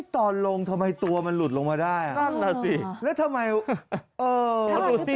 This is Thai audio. ตอนลงทำไมตัวมันหลุดลงมาได้ทำไมมาได้อย่างหน้าซี่ทราบที่๘ใช่ไหม